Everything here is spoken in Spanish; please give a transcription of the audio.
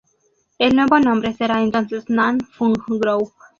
El nuevo nombre será entonces Nan Fung Group.